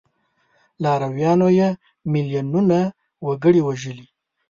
که لارویانو یې میلیونونه وګړي وژلي.